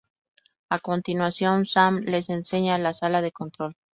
A continuación Sam les enseña la sala de control.